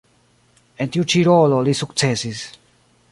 En tiu ĉi rolo li sukcesis.